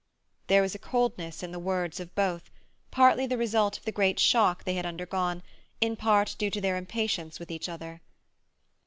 There was a coldness in the words of both, partly the result of the great shock they had undergone, in part due to their impatience with each other.